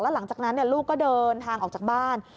หลังจากนั้นลูกก็เดินทางออกจากบ้าน